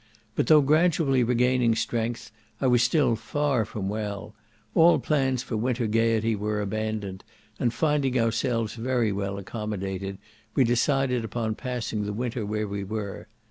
But though gradually regaining strength, I was still far from well; all plans for winter gaiety were abandoned, and finding ourselves very well accommodated, we decided upon passing the winter where we were.